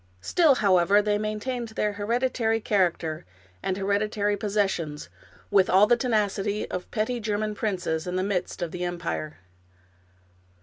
Still, however, they maintained their hered itary character and hereditary possessions, with all the tenacity of petty German princes in the midst of the empire.